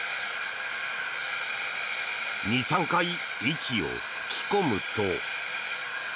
２３回、息を吹き込むと。